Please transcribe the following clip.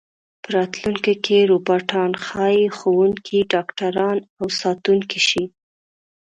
په راتلونکي کې روباټان ښايي ښوونکي، ډاکټران او ساتونکي شي.